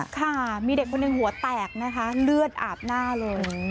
ค่ะมีเด็กคนหนึ่งหัวแตกนะคะเลือดอาบหน้าเลย